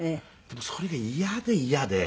それが嫌で嫌で。